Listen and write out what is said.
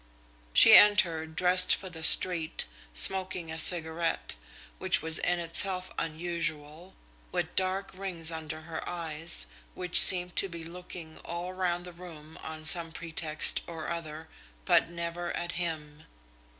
She entered dressed for the street, smoking a cigarette, which was in itself unusual, with dark rings under her eyes, which seemed to be looking all around the room on some pretext or other, but never at him.